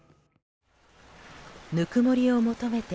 ぬくもりを求めて